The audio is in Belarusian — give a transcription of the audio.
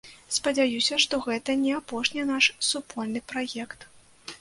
Спадзяюся, што гэта не апошні наш супольны праект.